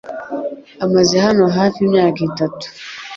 amaze hano hafi imyaka itatu.